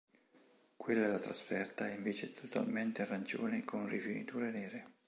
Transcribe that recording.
Quella da trasferta è invece totalmente arancione con rifiniture nere.